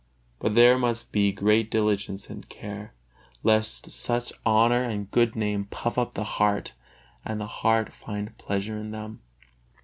But there must be great diligence and care, lest such honor and good name puff up the heart, and the heart find pleasure in them.